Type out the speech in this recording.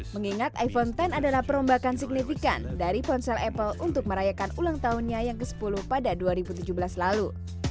mengingat iphone x adalah perombakan signifikan dari ponsel apple untuk merayakan ulang tahunnya yang ke sepuluh pada dua ribu tujuh belas lalu